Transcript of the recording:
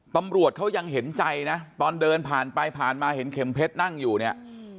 ตำรวจเขายังเห็นใจนะตอนเดินผ่านไปผ่านมาเห็นเข็มเพชรนั่งอยู่เนี่ย